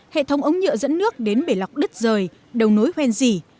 hệ thống ống nhựa dẫn nước đến bể lọc đứt rời đầu nối hoen dỉ